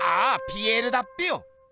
ピエールだっぺよ。